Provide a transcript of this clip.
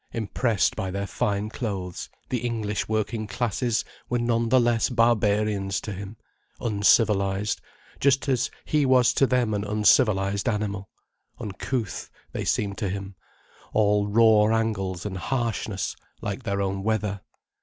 Impressed by their fine clothes, the English working classes were none the less barbarians to him, uncivilized: just as he was to them an uncivilized animal. Uncouth, they seemed to him, all raw angles and harshness, like their own weather.